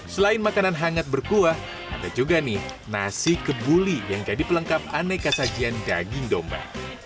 selain makanan hangat berkuah ada juga nih nasi kebuli yang jadi pelengkap aneka sajian daging domba